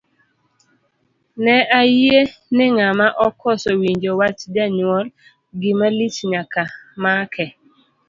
Ne ayie ni ng'ama okoso winjo wach janyuol, gima lich nyaka make.